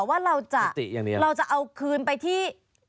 ว่าเราจะเอาคืนไปที่